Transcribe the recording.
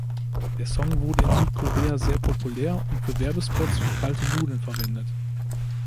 Der Song wurde in Südkorea sehr populär und für Werbespots für kalte Nudeln verwendet.